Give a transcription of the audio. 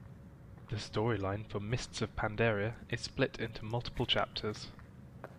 The storyline for "Mists of Pandaria" is split into multiple chapters.